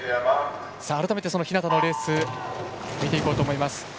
改めて日向のレース見ていこうと思います。